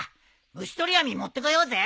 虫捕り網持ってこようぜ！